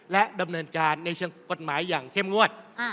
และดำเนินการในเชิงกฎหมายอย่างเข้มงวด